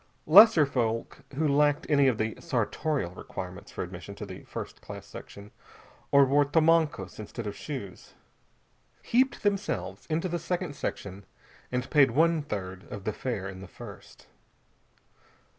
Lesser folk who lacked any of the sartorial requirements for admission to the first class section, or wore tomancos instead of shoes, heaped themselves into the second section and paid one third of the fare in the first.